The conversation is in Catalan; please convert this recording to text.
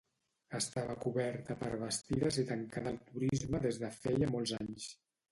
Estava coberta per bastides i tancada al turisme des de feia molts anys.